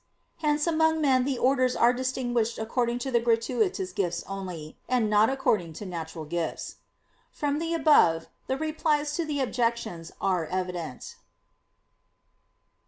Hence among men the orders are distinguished according to the gratuitous gifts only, and not according to natural gifts. From the above the replies to the objections are evident.